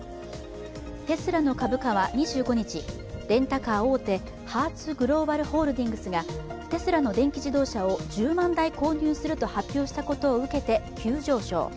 テスラの株価は２５日、レンタカー大手、ハーツ・グローバル・ホールディングスがテスラの電気自動車を１０万台購入すると発表したことを受けて急上昇。